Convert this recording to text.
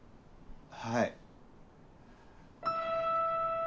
はい。